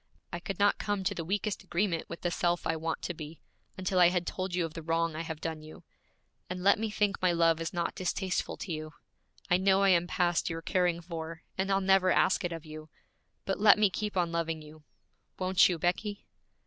I could not come to the weakest agreement with the self I want to be, until I had told you of the wrong I have done you. And let me think my love is not distasteful to you. I know I am past your caring for, and I'll never ask it of you, but let me keep on loving you. Won't you, Becky?'